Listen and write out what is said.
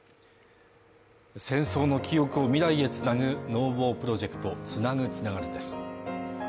戦争の記憶を未来へつなぐ「ＮＯＷＡＲプロジェクトつなぐ、つながる」です